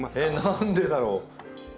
何でだろう？